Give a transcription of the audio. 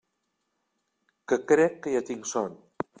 Que crec que ja tinc son.